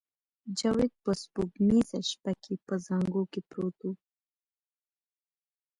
جاوید په سپوږمیزه شپه کې په زانګو کې پروت و